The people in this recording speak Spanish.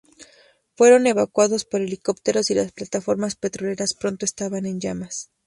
Fueron evacuados por helicópteros y las plataformas petroleras pronto estaban en llamas.